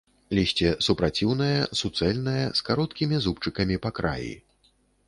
Лісце супраціўнае, суцэльнае, з кароткімі зубчыкамі па краі.